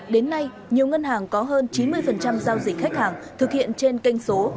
đến nay nhiều ngân hàng có hơn chín mươi giao dịch khách hàng thực hiện trên kênh số